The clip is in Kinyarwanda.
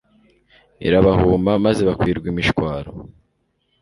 irabahuma maze bakwirwa imishwaro